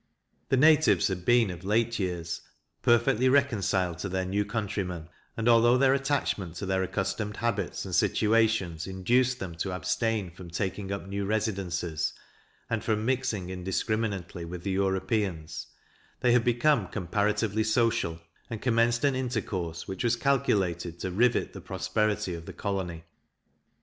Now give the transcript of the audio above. The natives had been, of late years, perfectly reconciled to their new countrymen; and, although their attachment to their accustomed habits and situations induced them to abstain from taking up new residences, and from mixing indiscriminately with the Europeans, they had become comparatively social, and commenced an intercourse which was calculated to rivet the prosperity of the colony.